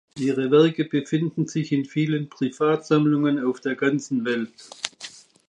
Ihre Werke befinden sich in vielen Privatsammlungen auf der ganzen Welt.